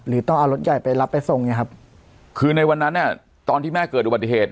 ต้องเอารถใหญ่ไปรับไปส่งไงครับคือในวันนั้นเนี่ยตอนที่แม่เกิดอุบัติเหตุ